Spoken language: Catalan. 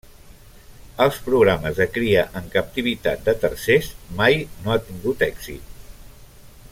Els programes de cria en captivitat de tarsers mai no han tingut èxit.